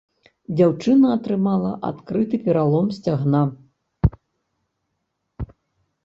Дзяўчына атрымала адкрыты пералом сцягна.